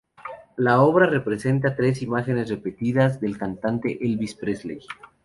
La obra representa tres imágenes repetidas del cantante Elvis Presley.